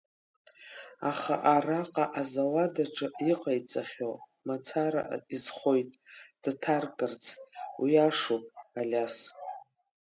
Аха араҟа, азауад аҿы иҟаиҵахьоу мацара изхоит дҭаркырц, уиашоуп, Алиас.